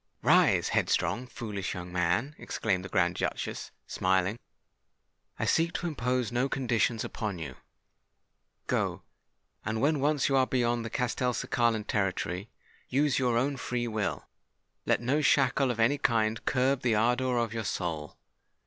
"Rise, headstrong—foolish young man," exclaimed the Grand Duchess, smiling. "I seek to impose no conditions upon you. Go; and when once you are beyond the Castelcicalan territory, use your own free will—let no shackle of any kind curb the ardour of your soul.